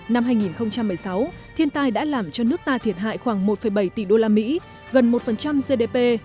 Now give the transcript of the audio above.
năm hai nghìn một mươi sáu thiên tai đã làm cho nước ta thiệt hại khoảng một bảy tỷ usd gần một gdp